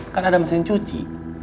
kan ada mesin cuci